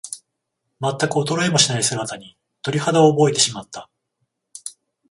まったく衰えもしない姿に、鳥肌を覚えてしまった。